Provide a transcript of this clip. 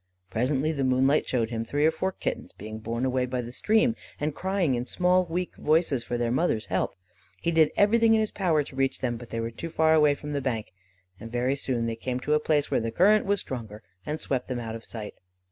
Presently the moonlight showed him three or four kittens being borne away by the stream, and crying in small weak voices for their mother's help. He did everything in his power to reach them, but they were too far away from the bank, and very soon they came to a place where the current was stronger, and swept them out of sight.